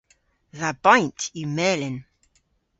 Dha baynt yw melyn.